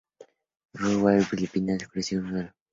El rol de Gwen Phillips fue ofrecido a Meg Ryan que lo rechazó.